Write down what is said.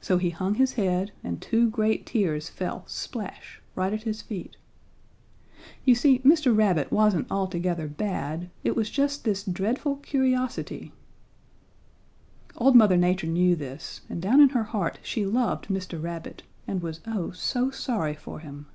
So he hung his head and two great tears fell splash, right at his feet. You see Mr. Rabbit wasn't altogether bad. It was just this dreadful curiosity. "Old Mother Nature knew this and down in her heart she loved Mr. Rabbit and was oh so sorry for him.